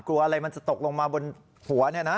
กลัวอะไรมันจะตกลงมาบนหัวเนี่ยนะ